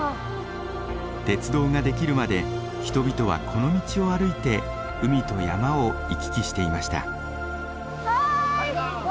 鉄道が出来るまで人々はこの道を歩いて海と山を行き来していました。